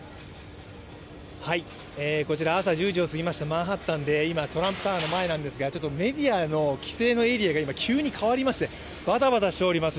こちら朝１０時を過ぎましたマンハッタンで今、トランプタワーの前なんですがちょっとメディアの規制のエリアが急に変わりましてバタバタしております。